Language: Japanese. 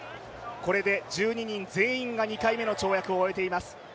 これで１２人全員が２回目の跳躍を終えています。